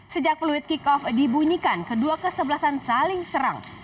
sejak peluit kick off dibunyikan kedua kesebelasan saling serang